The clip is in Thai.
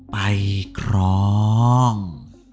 ไปครอง